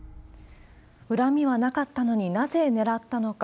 恨みはなかったのに、なぜ狙ったのか。